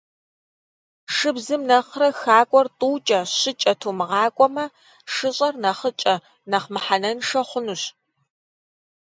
Шыбзым нэхърэ хакӏуэр тӏукӏэ-щыкӏэ тумыгъакӏуэмэ, шыщӏэр нэхъыкӏэ, нэхъ мыхьэнэншэ хъунущ.